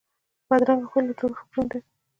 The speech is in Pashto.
بدرنګه خوی له تورو فکرونو ډک وي